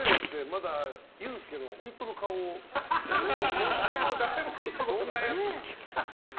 まだユースケの本当の顔を誰も見たことがないって。